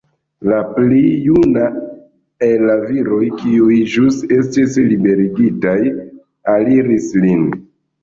La pli juna el la viroj, kiuj ĵus estis liberigitaj, aliris lin.